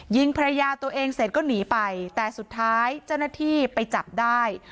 ยิงภรรยาตัวเองเสร็จก็หนีไปแต่สุดท้ายเจ้าหน้าที่ไปจับได้